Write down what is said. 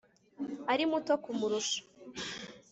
ari muto kumurusha